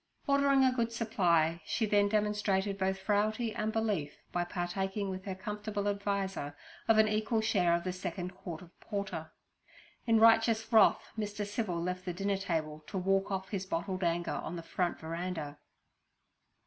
Ordering a good supply, she then demonstrated both frailty and belief by partaking with her comfortable adviser of an equal share of the second quart of porter. In righteous wrath, Mr. Civil left the dinner table to walk off his bottled anger on the front veranda.